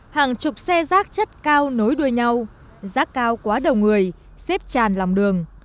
hàng chục xe rác chất cao nối đuôi nhau rác cao quá đầu người xếp tràn lòng đường